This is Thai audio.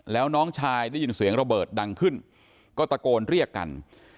แล้วน้องชายได้ยินเสียงระเบิดดังขึ้นก็ตะโกนเรียกกัน